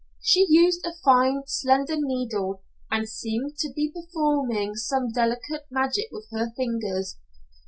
She used a fine, slender needle and seemed to be performing some delicate magic with her fingers.